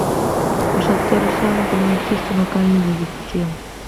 Os actores saben que non existe unha canle de difusión.